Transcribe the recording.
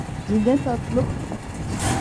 Dinle tatlım.